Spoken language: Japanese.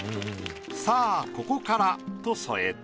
「さあここから」と添えた。